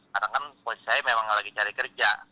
karena kan posisi saya memang lagi cari kerja